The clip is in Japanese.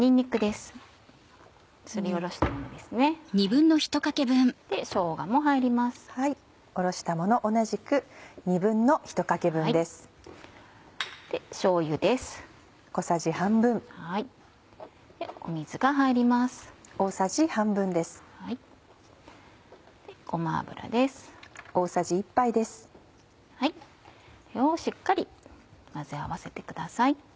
これをしっかり混ぜ合わせてください。